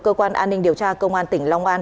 cơ quan an ninh điều tra công an tỉnh long an